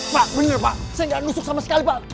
pak bener pak saya enggak nusuk sama sekali pak